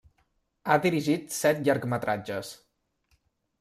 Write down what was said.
Ha dirigit set llargmetratges.